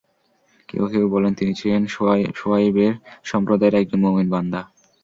কেউ কেউ বলেন, তিনি ছিলেন শুয়ায়বের সম্প্রদায়ের একজন মুমিন বান্দা।